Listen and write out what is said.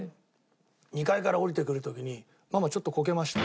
２階から下りてくる時にママちょっとこけました。